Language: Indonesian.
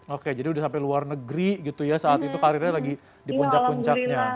oke jadi udah sampai luar negeri gitu ya saat itu karirnya lagi di puncak puncaknya